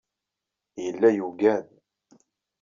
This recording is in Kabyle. Yella yugad.